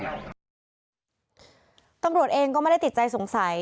ตำรวจเองก็ไม่ได้ติดใจสงสัย